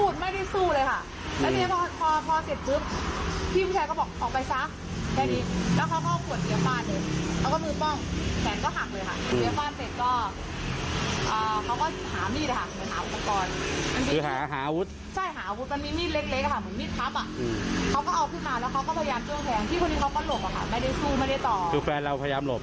ใช่ค่ะ